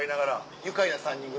愉快な３人組。